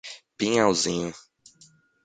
Pinhalzinho